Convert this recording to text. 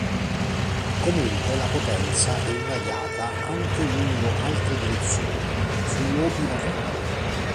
Comunque la potenza è irradiata anche lungo altre direzioni, sui lobi laterali.